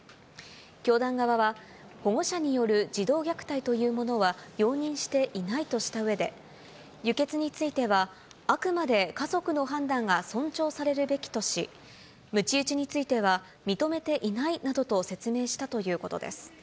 教団側は、保護者による児童虐待というものは容認していないとしたうえで、輸血については、あくまで家族の判断が尊重されるべきとし、むち打ちについては、認めていないなどと説明したということです。